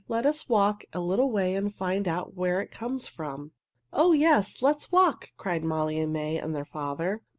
"Let us walk a little way and find out where it comes from." "Oh, yes! Let's walk!" cried Molly and May and their father.